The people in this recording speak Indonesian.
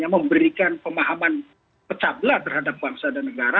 memberikan pemahaman pecah belah terhadap bangsa dan negara